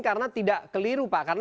karena tidak keliru pak